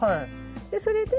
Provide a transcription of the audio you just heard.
でそれで。